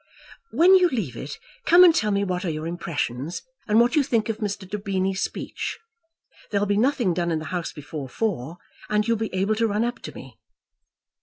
"When you leave it, come and tell me what are your impressions, and what you think of Mr. Daubeny's speech. There'll be nothing done in the House before four, and you'll be able to run up to me."